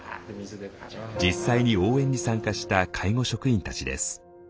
実際に応援に参加した介護職員たちです。